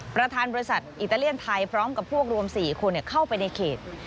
ประธานบริษัทอิตาเลียนไทยพร้อมกับพวกรวม๔คนเข้าไปในเขต